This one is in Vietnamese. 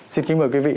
xin kính mời quý vị